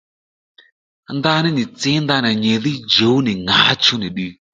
Ndaní ì tsǐ ndanà nyìdhí jǔw nì ŋǎchú nì ddiy